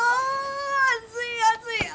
暑い暑い！